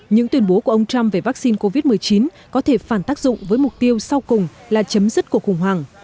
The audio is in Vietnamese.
những tuyên bố của ông trump về vaccine covid một mươi chín có thể phản tác dụng với mục tiêu sau cùng là chấm dứt cuộc khủng hoảng